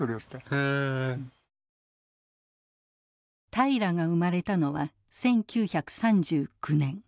平良が生まれたのは１９３９年。